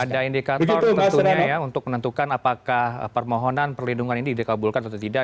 ada indikator tentunya ya untuk menentukan apakah permohonan perlindungan ini dikabulkan atau tidak